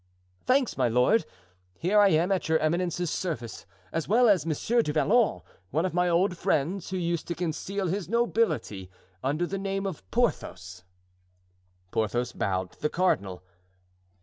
"Thanks, my lord. Here I am at your eminence's service, as well as Monsieur du Vallon, one of my old friends, who used to conceal his nobility under the name of Porthos." Porthos bowed to the cardinal.